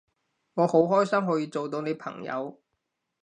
我好開心可以做到你朋友